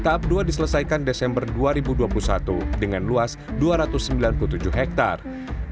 tahap dua diselesaikan desember dua ribu dua puluh satu dengan luas dua ratus sembilan puluh tujuh hektare